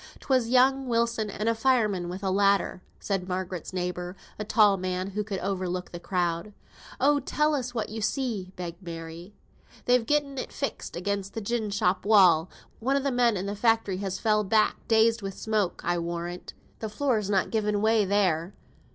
"'Twas young Wilson and a fireman wi' a ladder," said Margaret's neighbour, a tall man who could overlook the crowd. "Oh, tell us what you see?" begged Mary. "They've gotten it fixed again the gin shop wall. One o' the men i' th' factory has fell back; dazed wi' the smoke, I'll warrant. The floor's not given way there.